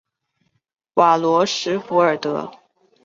瓦罗什弗尔德。